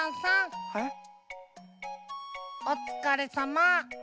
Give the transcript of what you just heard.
おつかれさま。